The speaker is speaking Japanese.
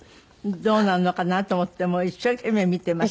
どうなるのかな？と思ってもう一生懸命見てました。